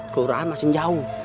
kelurahan masih jauh